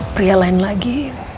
pria lain lagi